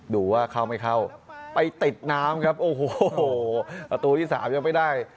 ดูว่าเข้าไม่เข้าไปติดน้ำครับโอ้โหประตูที่สามยังไม่ได้